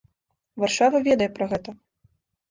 Варшава ведае пра гэта.